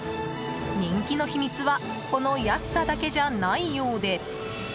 人気の秘密はこの安さだけじゃないようで。